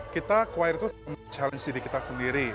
kita choir itu men challenge diri kita sendiri